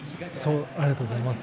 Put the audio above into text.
ありがとうございます。